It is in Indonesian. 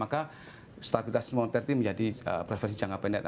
maka stabilitas moneterti menjadi preferensi jangka pendek